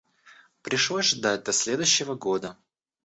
Пришлось ждать до следующего года.